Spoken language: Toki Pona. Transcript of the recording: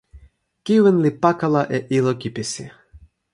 kiwen li pakala e ilo kipisi.